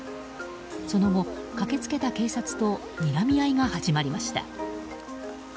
その後、駆け付けた警察とにらみ合いが始まりました。